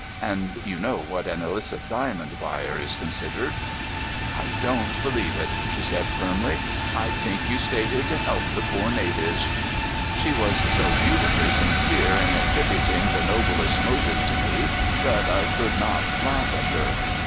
And you know what an illicit diamond buyer is considered." "I don't believe it," she said firmly. "I think you stay here to help the poor natives." She was so beautifully sincere in attributing the noblest motives to me that I could not laugh at her.